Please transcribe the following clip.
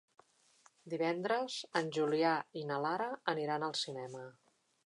Divendres en Julià i na Lara aniran al cinema.